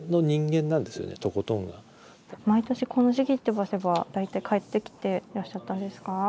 毎年この時期ってばせば大体帰ってきてらっしゃったんですか？